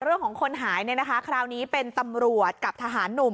เรื่องของคนหายเนี่ยนะคะคราวนี้เป็นตำรวจกับทหารหนุ่ม